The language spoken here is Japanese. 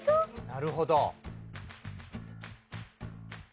なるほど。